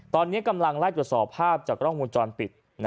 ตอนนี้กำลังไล่ตรวจสอบภาพจากกล้องมูลจรปิด